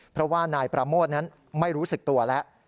เพราะว่านายประโมทนั้นไม่รู้สึกตัวแล้ว